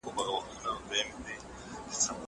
زه پرون لوښي وچوم وم!!